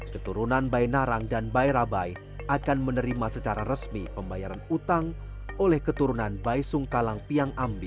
keturunan bai narang dan bai rabai akan menerima secara resmi pembayaran utang oleh keturunan bai sungkalang piang ambi